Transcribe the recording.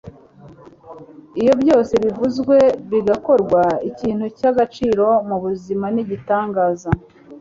iyo byose bivuzwe bigakorwa, ikintu cyagaciro mubuzima ni igitangaza